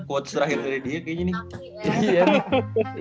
quotes terakhir dari dia kayak gini nih